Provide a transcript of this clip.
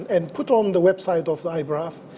dan menempatkan di website ibraf